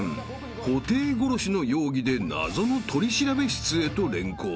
［布袋殺しの容疑で謎の取調室へと連行］